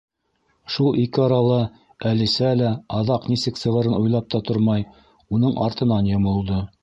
Шул ике арала Әлисә лә, аҙаҡ нисек сығырын уйлап та тормай, уның артынан йомолдо.